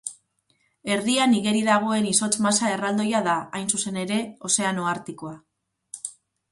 Erdian igeri dagoen izotz masa erraldoia da, hain zuzen ere, Ozeano Artikoa.